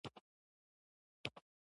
غزني د افغانستان د طبیعت برخه ده.